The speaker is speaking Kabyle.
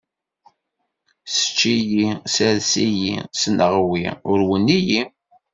Sečč-iyi, sers-iyi, ssneɣ wi urwen-iyi.